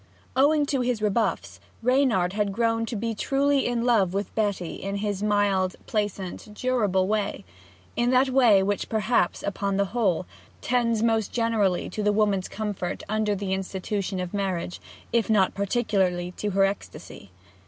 Owing to his rebuffs, Reynard had grown to be truly in love with Betty in his mild, placid, durable way in that way which perhaps, upon the whole, tends most generally to the woman's comfort under the institution of marriage, if not particularly to her ecstasy.